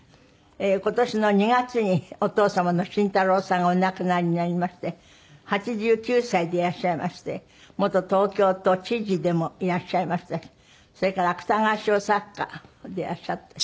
今年の２月にお父様の慎太郎さんがお亡くなりになりまして８９歳でいらっしゃいまして元東京都知事でもいらっしゃいましたしそれから芥川賞作家でいらっしゃって。